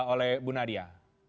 oleh bu nadia